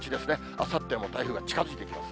あさっては台風が近づいてきます。